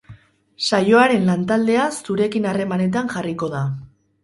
Saioaren lantaldea zurekin harremanetan jarriko da.